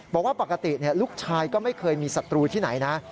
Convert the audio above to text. บอกว่าปกติลูกชายก็ไม่เคยมีศัตรูที่ไหนนะ